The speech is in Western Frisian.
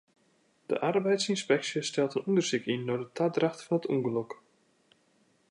De arbeidsynspeksje stelt in ûndersyk yn nei de tadracht fan it ûngelok.